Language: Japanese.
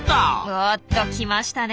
おっと来ましたね